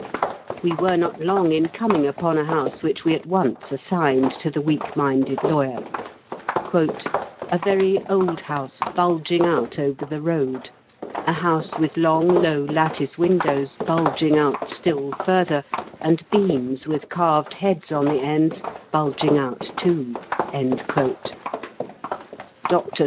We were not long in coming upon a house which we at once assigned to the weak minded lawyer, a very old house bulging out over the road ; a house with long low lattice windows bulging out still further, and beams with carved heads on the ends bulging out too." Dr.